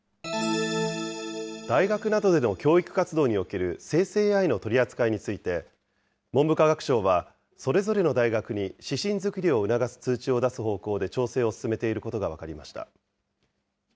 大学などでの教育活動における生成ＡＩの取り扱いについて、文部科学省は、それぞれの大学に指針作りを促す通知を出す方向で調整を進めていることが分かりました。